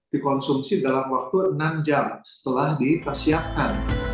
dikonsumsi dalam waktu enam jam setelah dipersiapkan